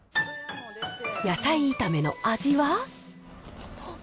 野菜炒めの味は？